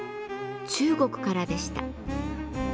中国からでした。